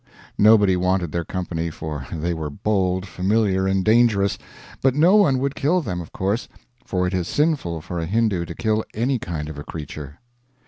Nobody wanted their company, for they were bold, familiar, and dangerous; but no one would kill them, of course, for it is sinful for a Hindoo to kill any kind of a creature.